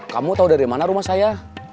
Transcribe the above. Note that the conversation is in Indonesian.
kamu tahu dari mana rumah saya